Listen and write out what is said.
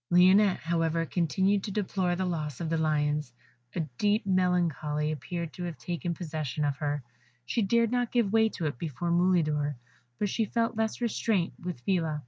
Lionette, however, continued to deplore the loss of the Lions: a deep melancholy appeared to have taken possession of her; she dared not give way to it before Mulidor, but she felt less restraint with Phila.